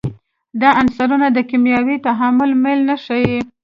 دا عنصرونه د کیمیاوي تعامل میل نه ښیي.